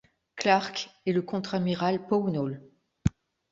Clark et le contre-amiral Pownall.